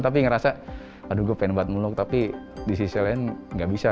tapi ngerasa aduh gue pengen banget muluk tapi di sisi lain gak bisa